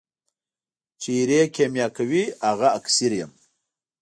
چي ایرې کېمیا کوي هغه اکسیر یم.